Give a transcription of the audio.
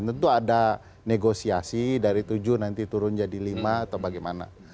tentu ada negosiasi dari tujuh nanti turun jadi lima atau bagaimana